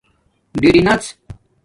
ڈِٹیڎ